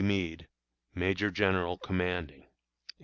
MEADE, Major General Commanding.